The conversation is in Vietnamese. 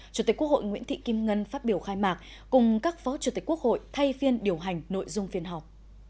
chủ tịch quốc hội nguyễn thị kim ngân phát biểu khai mạc cùng các phó chủ tịch quốc hội thay phiên điều hành nội dung phiên họp